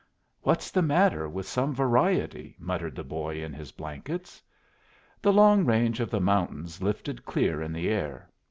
"What's the matter with some variety?" muttered the boy in his blankets. The long range of the mountains lifted clear in the air.